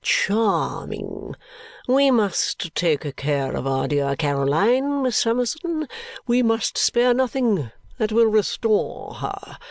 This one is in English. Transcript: "Charming! We must take care of our dear Caroline, Miss Summerson. We must spare nothing that will restore her.